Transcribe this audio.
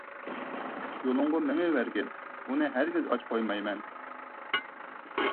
يولۇڭغا مېڭىۋەرگىن، ئۇنى ھەرگىز ئاچ قويمايمەن.